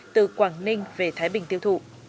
từ quảng ninh về thái bình tiêu thụ